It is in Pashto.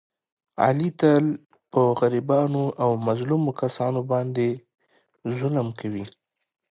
علي تل په غریبانو او مظلومو کسانو باندې ظلم کوي.